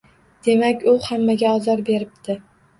Demak, u hammaga ozor beribdi.